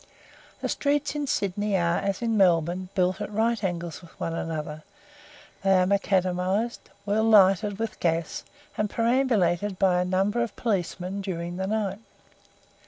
The streets in Sydney are, as in Melbourne, built at right angles with one another; they are macadamized, well lighted with gas, and perambulated by a number of policemen during the night.